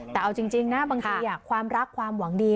แต่เอาจริงนะบางทีความรักความหวังดี